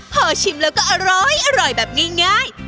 พอชิมแล้วก็อร้อยแบบง่าย